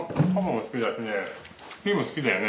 好きだよね。